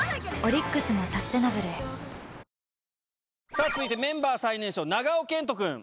さぁ続いてメンバー最年少長尾謙杜くん。